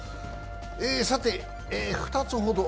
さて、２つほど。